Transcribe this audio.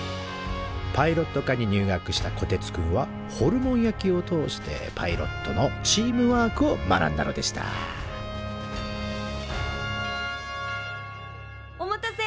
パイロット科に入学したこてつくんはホルモン焼きを通してパイロットのチームワークを学んだのでしたお待たせ！